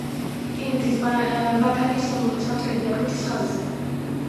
რკინიგზის ბაქანი სამტრედია–ფოთის ხაზზე.